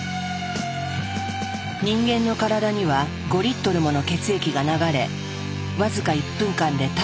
人間の体には５リットルもの血液が流れ僅か１分間で体内を一周。